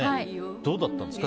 どうだったんですか。